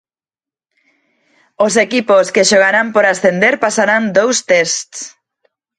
Os equipos que xogarán por ascender pasarán dous tests.